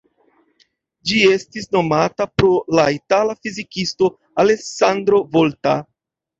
Ĝi estis nomata pro la itala fizikisto Alessandro Volta.